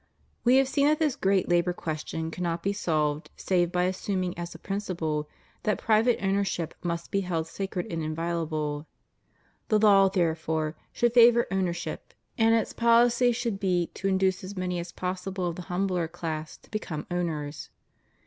We have seen that this great labor question cannot be solved save by assuming as a principle that private ownership must be held sacred and inviolable. The law, therefore, should favor owner ship, and its policy should be to induce as many as possible of the humbler class to become owners.